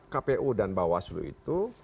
kpu dan bawaslu itu